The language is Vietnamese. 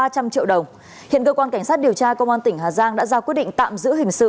ba trăm linh triệu đồng hiện cơ quan cảnh sát điều tra công an tỉnh hà giang đã ra quyết định tạm giữ hình sự